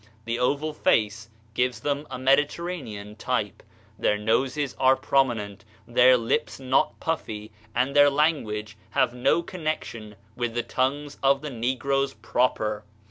The oval face gives them a Mediterranean type. Their noses are prominent, their lips not puffy, and their languages have no connection with the tongues of the negroes proper.